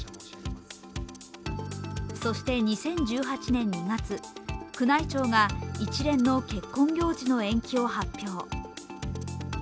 そして２０１８年２月、宮内庁が一連の結婚行事の延期を発表。